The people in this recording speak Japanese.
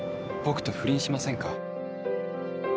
僕と不倫しませんか。